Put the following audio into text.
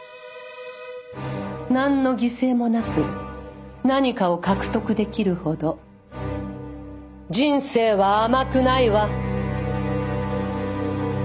何の犠牲もなく何かを獲得できるほど人生は甘くないわ！